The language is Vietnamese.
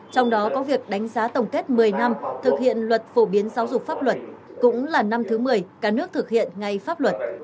trong đó có việc đánh giá tổng kết một mươi năm thực hiện luật phổ biến giáo dục pháp luật cũng là năm thứ một mươi cả nước thực hiện ngay pháp luật